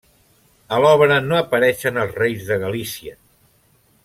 A l'obra no apareixen els reis de Galícia.